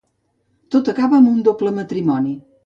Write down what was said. Tot acaba amb un doble matrimoni.